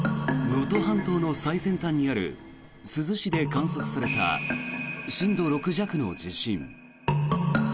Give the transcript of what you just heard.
能登半島の最先端にある珠洲市で観測された震度６弱の地震。